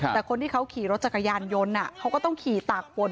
แต่คนที่เขาขี่รถจักรยานยนต์เขาก็ต้องขี่ตากฝน